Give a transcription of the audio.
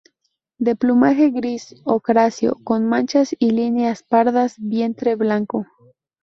De plumaje gris ocráceo con manchas y líneas pardas, vientre blanco.